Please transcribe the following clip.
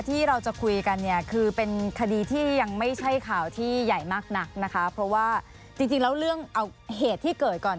ที่เราจะคุยกันเนี่ยคือเป็นคดีที่ยังไม่ใช่ข่าวที่ใหญ่มากนักนะคะเพราะว่าจริงแล้วเรื่องเอาเหตุที่เกิดก่อน